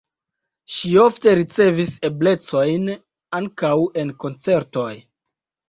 Ŝi ofte ricevis eblecojn ankaŭ en koncertoj.